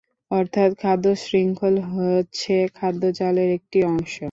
অর্থাৎ, খাদ্য শৃঙ্খল হচ্ছে খাদ্য জালের একটি অংশ।